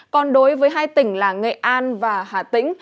còn đối với hai tỉnh là nghệ an và hà tĩnh